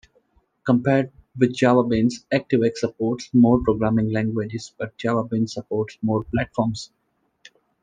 Compared with JavaBeans, ActiveX supports more programming languages, but JavaBeans supports more platforms.